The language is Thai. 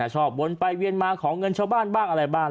ชอบวนไปเวียนมาขอเงินชาวบ้านบ้างอะไรบ้าง